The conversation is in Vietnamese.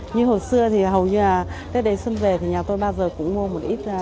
như hồi xưa thì hầu như là tết đến xuân về thì nhà tôi bao giờ cũng mua một ít